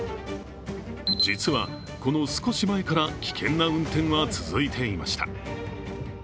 実は、この少し前から危険な運転は続いていました。